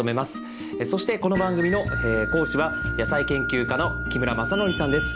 そしてこの番組の講師は野菜研究家の木村正典さんです。